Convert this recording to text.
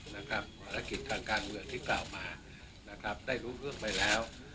ภารกิจทางการเมืองที่กล่าวมานะครับได้รู้เรื่องไปแล้ว